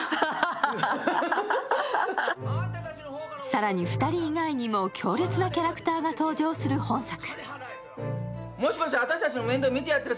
更に２人以外にも強烈なキャラクターが登場する本作。